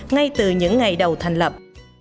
ngay từ những ngày đầu thành lập